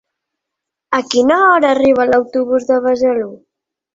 A quina hora arriba l'autobús de Besalú?